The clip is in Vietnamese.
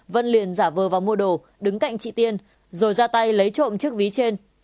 vân liền giả vờ vào mua đồ đứng cạnh chị tiên rồi ra tay lấy trộm chiếc ví trên